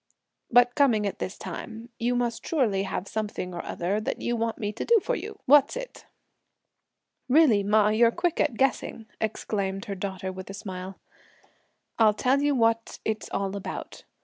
But coming at this time, you must surely have something or other that you want me to do for you! what's it?" "Really ma, you're quick at guessing!" exclaimed her daughter with a smile; "I'll tell you what it's all about.